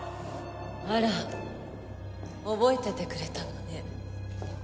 あら覚えててくれたのね